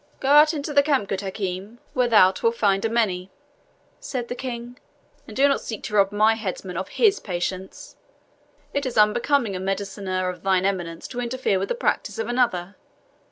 "Go out into the camp, good Hakim, where thou wilt find a many," said the King, "and do not seek to rob my headsman of HIS patients; it is unbecoming a mediciner of thine eminence to interfere with the practice of another.